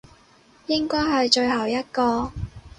應該係最後一個